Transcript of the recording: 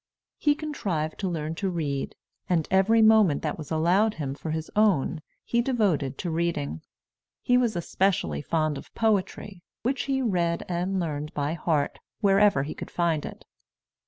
He contrived to learn to read, and every moment that was allowed him for his own he devoted to reading. He was especially fond of poetry, which he read and learned by heart, wherever he could find it.